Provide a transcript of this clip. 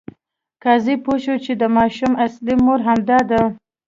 قاضي پوه شو چې د ماشوم اصلي مور همدا ده.